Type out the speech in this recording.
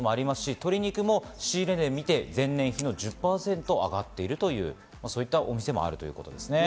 鶏肉も仕入れ値が前年比の１０％上がっているというお店もあるということです。